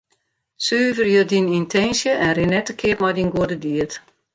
Suverje dyn yntinsje en rin net te keap mei dyn goede died.